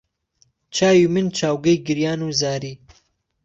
چاوی من چاوگەی گریان و زاری